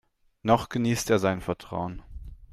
Noch genießt er sein Vertrauen.